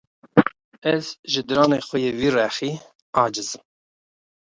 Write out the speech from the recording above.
Ez ji diranê xwe yê vî rexî aciz im.